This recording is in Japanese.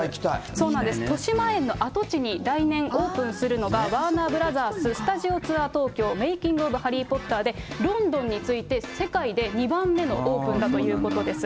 そうなんです、としまえんの跡地に来年オープンするのが、ワーナーブラザーススタジオツアー東京メイキング・オブ・ハリー・ポッターで、ロンドンに次いで世界に２番目にオープンだということです。